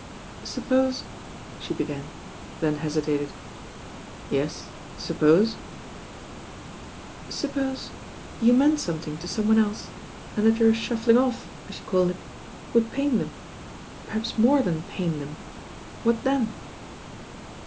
"Suppose " she began, then hesitated "Yes, suppose ?" "Suppose you meant something to someone else, and that your shuffling off, as you call it, would pain them, perhaps more than pain them, what then?"